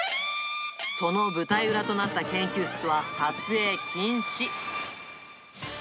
その舞台裏となった研究室は、撮影禁止。